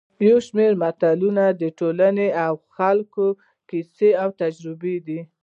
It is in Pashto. یو شمېر متلونه د ټولنې او خلکو کیسې او تجربې دي